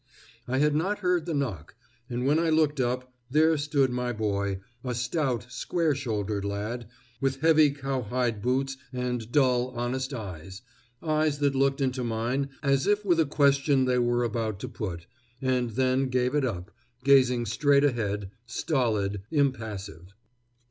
I had not heard the knock, and when I looked up, there stood my boy, a stout, square shouldered lad, with heavy cowhide boots and dull, honest eyes eyes that looked into mine as if with a question they were about to put, and then gave it up, gazing straight ahead, stolid, impassive.